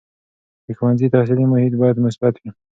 د ښوونځي تحصیلي محیط باید مثبت وي.